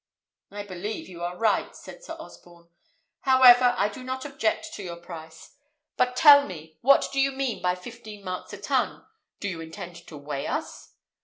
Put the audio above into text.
"I believe you are right," said Sir Osborne. "However, I do not object to your price; but tell me, what do you mean by fifteen marks a ton? Do you intend to weigh us?"